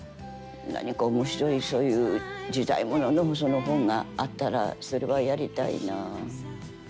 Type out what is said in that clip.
何か面白いそういう時代もののその本があったらそれはやりたいな。